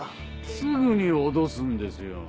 すぐに脅すんですよ。